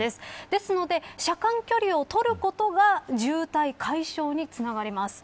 ですので、車間距離をとることが渋滞解消につながります。